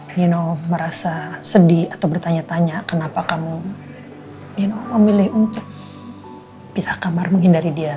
eno merasa sedih atau bertanya tanya kenapa kamu memilih untuk pisah kamar menghindari dia